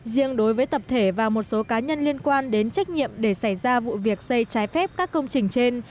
riêng đối với tập thể và một số cá nhân liên quan đến trách nhiệm để xảy ra vụ việc xây trái phép các công trình trên